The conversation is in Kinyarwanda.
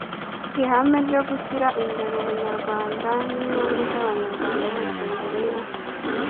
ihame ryo gushyira imbere ubunyarwanda n inyungu z abanyarwanda bose mbere yo